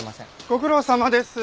ご苦労さまです。